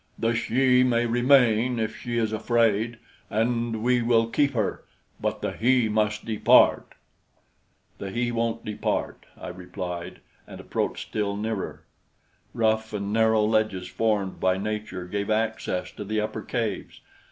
The she may remain if she is afraid, and we will keep her; but the he must depart." "The he won't depart," I replied, and approached still nearer. Rough and narrow ledges formed by nature gave access to the upper caves.